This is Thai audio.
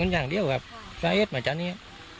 อย่างเดียวแบบไซเอสมาจากนี้